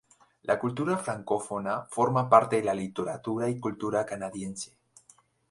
La cultura francófona forma parte de la literatura y cultura canadiense.